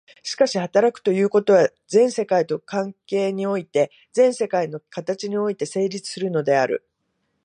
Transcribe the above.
しかし働くということは、全世界との関係において、全世界の形において成立するのである。